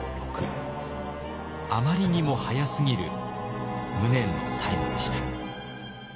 あまりにも早すぎる無念の最期でした。